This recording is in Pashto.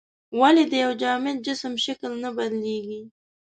ولې د یو جامد جسم شکل نه بدلیږي؟